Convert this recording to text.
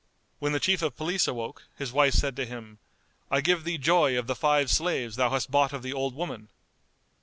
When the Chief of Police awoke, his wife said to him, "I give thee joy of the five slaves thou hast bought of the old woman."